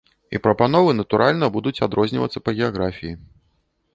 І прапановы, натуральна, будуць адрознівацца па геаграфіі.